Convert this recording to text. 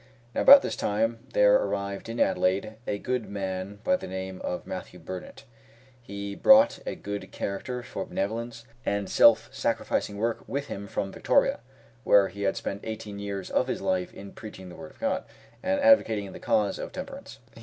Now about this time there arrived in Adelaide a good man by the name of Matthew Burnett. He brought a good character for benevolence and self sacrificing work with him from Victoria, where he had spent eighteen years of his life in preaching the word of God, and advocating the cause of temperance.